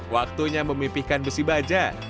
waktunya memipihkan besi baja